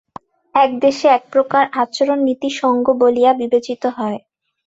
এক দেশে একপ্রকার আচরণ নীতিসঙ্গত বলিয়া বিবেচিত হয়।